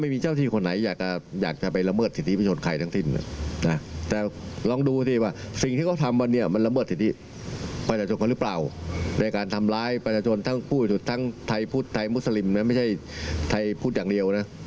ไม่ใช่ไทยพุทธอย่างเดียวนะ